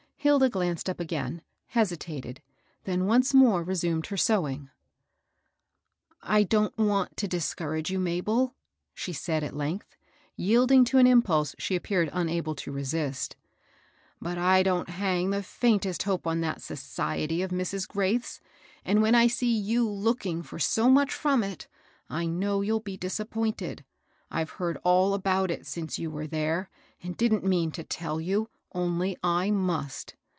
Hilda glanced up again, hesitated, then once more resumed her sewing. " I don't want to discourage you, Mabel," she said, at length, yielding to an impulse she appeared unable to resist, "but I don't hang the faintest hope on that * soojety ' of Mrs. Graith's 1 and when I see you, looking for so much from it, I know you'll be disappointed. I've heard all about it since you were there ; and didn't mean to tell you, only I must.